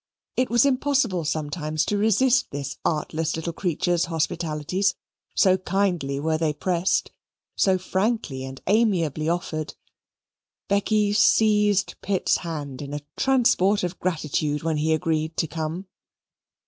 It was impossible sometimes to resist this artless little creature's hospitalities, so kindly were they pressed, so frankly and amiably offered. Becky seized Pitt's hand in a transport of gratitude when he agreed to come.